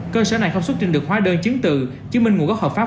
cơ sở này không xuất trình được hóa đơn chứng từ chứng minh nguồn gốc hợp pháp